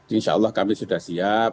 insyaallah kami sudah siap